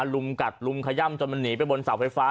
ลุมกัดลุมขย่ำจนมันหนีไปบนเสาไฟฟ้า